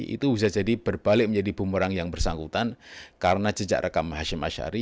itu bisa jadi berbalik menjadi bumerang yang bersangkutan karena jejak rekam hashim ashari